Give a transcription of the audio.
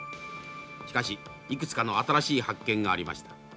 しかしいくつかの新しい発見がありました。